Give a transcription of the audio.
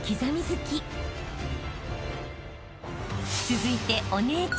［続いて］